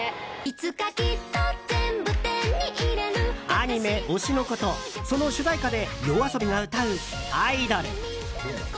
アニメ「推しの子」とその主題歌でＹＯＡＳＯＢＩが歌う「アイドル」。